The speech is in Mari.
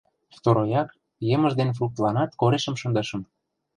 Второяк, емыж ден фруктланат корешым шындышым.